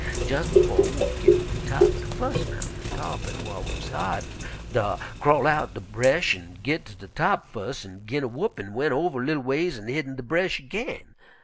Jes' befo' Wolf git ter de top er de fus' mountain, de tarr'pin whar wuz hidin' dar crawl outen de bresh an' git ter de top fus' an' gin a whoop, an' went over a li'l ways an' hid in de bresh ag'in.